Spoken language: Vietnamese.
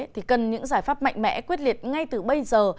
thì cần những giải pháp mạnh mẽ quyết liệt ngay từ bây giờ